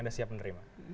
anda siap menerima